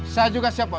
saya juga siap bos